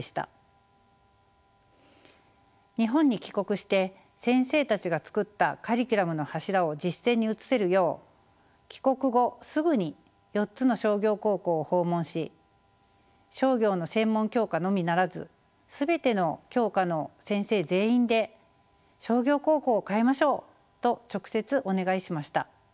日本に帰国して先生たちが作ったカリキュラムの柱を実践に移せるよう帰国後すぐに４つの商業高校を訪問し商業の専門教科のみならず全ての教科の先生全員で「商業高校を変えましょう！」と直接お願いしました。